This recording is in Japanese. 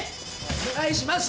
お願いします！